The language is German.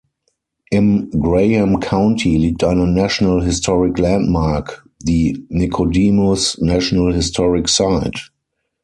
Im Graham County liegt eine National Historic Landmark, die Nicodemus National Historic Site.